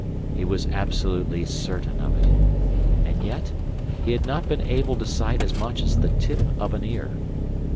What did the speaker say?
He was absolutely certain of it. And yet he had not been able to sight as much as the tip of an ear.